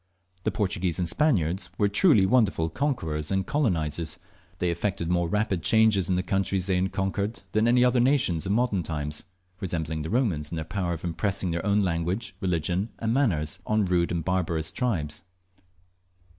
The Portuguese and Spaniards were truly wonderful conquerors and colonizers. They effected more rapid changes in the countries they conquered than any other nations of modern times, resembling the Romans in their power of impressing their own language, religion, and manners on rode and barbarous tribes.